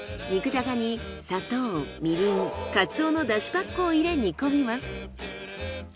肉じゃがに砂糖みりんかつおの出汁パックを入れ煮込みます。